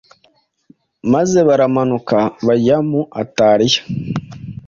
maze baramanuka bajya mu Ataliya,